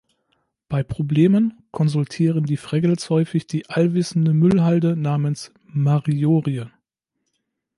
Bei Problemen konsultieren die Fraggles häufig die "Allwissende Müllhalde" namens "Marjorie".